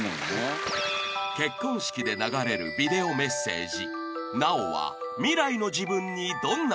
［結婚式で流れるビデオメッセージ］